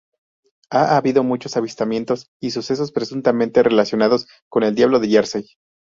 Ha habido muchos avistamientos y sucesos presuntamente relacionados con el Diablo de Jersey.